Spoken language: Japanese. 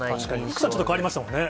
福さん、ちょっと変わりましたもんね。